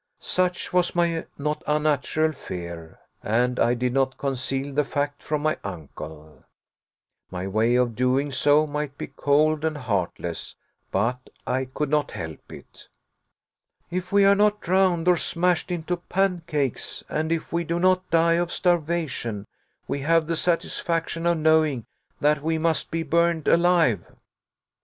Such was my not unnatural fear, and I did not conceal the fact from my uncle. My way of doing so might be cold and heartless, but I could not help it. "If we are not drowned, or smashed into pancakes, and if we do not die of starvation, we have the satisfaction of knowing that we must be burned alive."